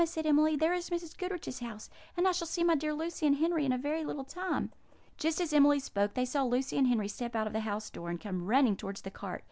said Emily, "there is Mrs. Goodriche's house! And I shall see my dear Lucy and Henry in a very little time." Just as Emily spoke, they saw Lucy and Henry step out of the house door, and come running towards the cart.